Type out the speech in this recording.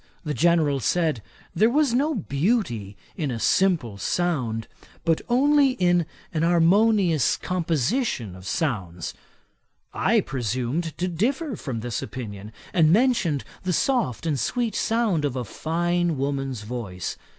The General said, there was no beauty in a simple sound, but only in an harmonious composition of sounds. I presumed to differ from this opinion, and mentioned the soft and sweet sound of a fine woman's voice.